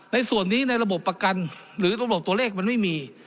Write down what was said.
ในส่วนนี้ในระบบประกันหรือระบบตัวเลขมันไม่มี